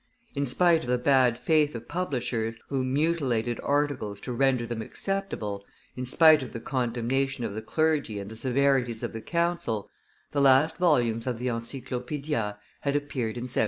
In spite of the bad faith of publishers, who mutilated articles to render them acceptable, in spite of the condemnation of the clergy and the severities of the council, the last volumes of the Encyclopaedia had appeared in 1765.